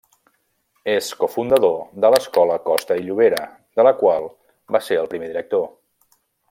És cofundador de l'Escola Costa i Llobera, de la qual va ser el primer director.